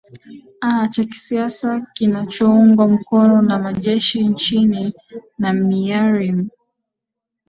a cha kisiasa kinachoungwa mkono na majeshi nchini na myianmir